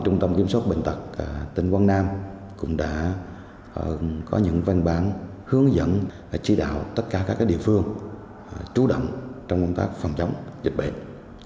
trung tâm kiểm soát bệnh tật tqn cũng đã có những văn bản hướng dẫn và chỉ đạo tất cả các địa phương trú động trong công tác phòng chống dịch bệnh